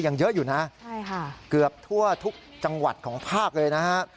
ยังเยอะอยู่นะใช่ค่ะเกือบทั่วทุกจังหวัดของภาคเลยนะฮะ